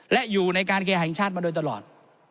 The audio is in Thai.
และอยู่ในการเคแห่งชาติมาโดยตลอด